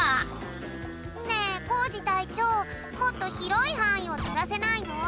ねえコージたいちょうもっとひろいはんいをてらせないの？